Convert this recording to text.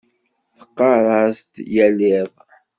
Teɣɣar-as-d yal iḍ.